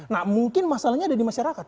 nah mungkin masalahnya ada di masyarakat